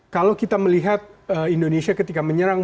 kalau kita melihat indonesia ketika menyerang